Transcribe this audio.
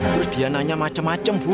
terus dia nanya macem macem bu